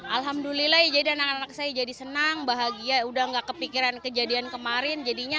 alhamdulillah ya jadi anak anak saya jadi senang bahagia udah gak kepikiran kejadian kemarin